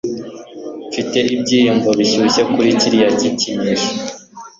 Mfite ibyiyumvo bishyushye kuri kiriya gikinisho